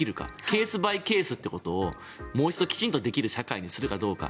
ケース・バイ・ケースということをもう一度きちんとできる社会にするかどうか。